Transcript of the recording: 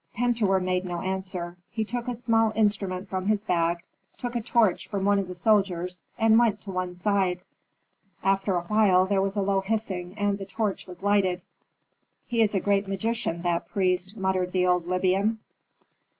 Pentuer made no answer. He took a small instrument from his bag, took a torch from one of the soldiers, and went to one side. After a while there was a low hissing, and the torch was lighted. "He is a great magician, that priest," muttered the old Libyan.